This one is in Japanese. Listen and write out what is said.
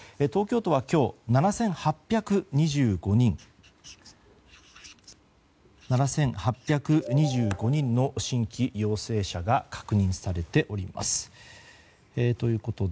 東京都は今日７８２５人の新規陽性者が確認されております。